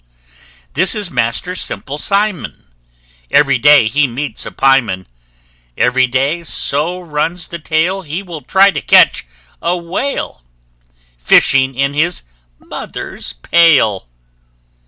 This is Master Simple Simon: Every day he meets a pie man; Every day, so runs the tale, He will try to catch a whale, Fishing in his mother's pail!